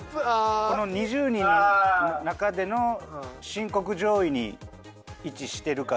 この２０人の中での深刻上位に位置してるかどうか。